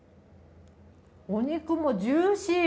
お肉もジューシー。